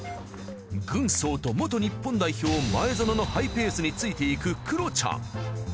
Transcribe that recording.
軍曹と元日本代表前園のハイペースについていくクロちゃん。